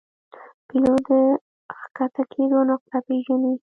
پیلوټ د ښکته کېدو نقطه پیژني.